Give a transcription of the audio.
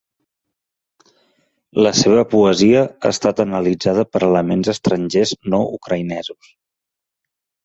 La seva poesia ha estat analitzada per elements estrangers no ucraïnesos.